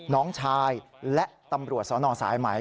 น้องชายและตำรวจสนสายไหม